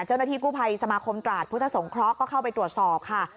เจ้าหน้าที่กู้ภัยสมาคมตราดพุทธสงเคราะห์ก็เข้าไปตรวจสอบค่ะ